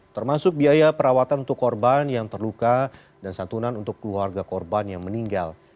termasuk biaya perawatan untuk korban yang terluka dan santunan untuk keluarga korban yang meninggal